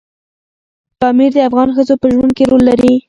پامیر د افغان ښځو په ژوند کې رول لري.